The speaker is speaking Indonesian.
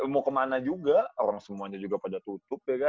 mau kemana juga orang semuanya juga pada tutup ya kan